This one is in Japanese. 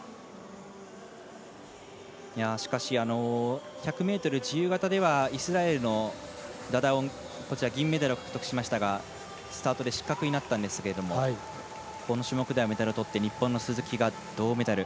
しかし１００ｍ自由形ではイスラエルのダダオン、銀メダルを獲得しましたがスタートで失格になりましたがこの種目ではメダルをとって鈴木が銅メダル。